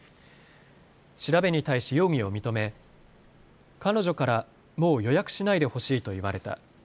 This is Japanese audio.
調べに対し容疑を認め、彼女からもう予約しないでほしいと言われた。